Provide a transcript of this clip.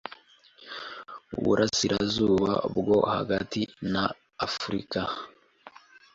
Uburasirazuba bwo hagati na Afurika